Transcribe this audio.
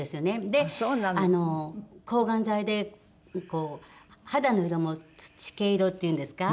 であの抗がん剤でこう肌の色も土気色っていうんですか？